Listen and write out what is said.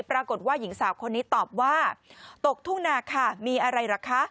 ปรากฏว่าหญิงสาวคนนี้ตอบว่าตกทุ่งนาค่ะมีอะไรล่ะคะ